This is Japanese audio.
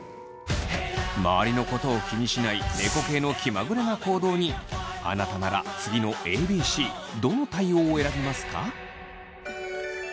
周りのことを気にしない猫系の気まぐれな行動にあなたなら次のＡＢＣどの対応を選びますか？